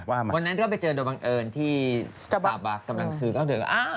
วันนั้นก็ไปเจอโดยบังเอิญที่บาบากำลังซื้อก็เดิน